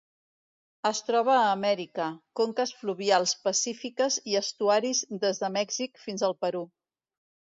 Es troba a Amèrica: conques fluvials pacífiques i estuaris des de Mèxic fins al Perú.